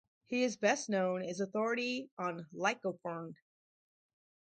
He is best known as authority on Lycophron.